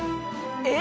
えっ！？